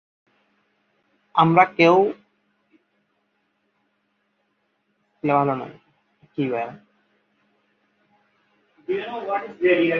আমরা কেউই বল স্কিলে খুব একটা ভালো নই।